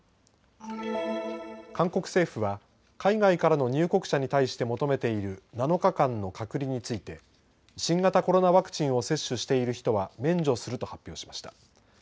韓国政府は海外からの入国者に対して求めている７日間の隔離について新型コロナワクチンを接種している人は免除すると発表しました。